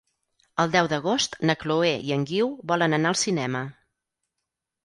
El deu d'agost na Chloé i en Guiu volen anar al cinema.